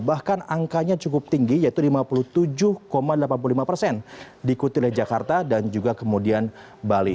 bahkan angkanya cukup tinggi yaitu lima puluh tujuh delapan puluh lima persen diikuti oleh jakarta dan juga kemudian bali